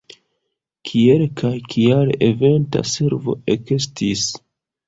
Kiel kaj kial Eventa Servo ekestis?